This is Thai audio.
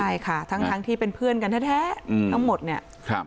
ใช่ค่ะทั้งที่เป็นเพื่อนกันแท้ทั้งหมดเนี่ย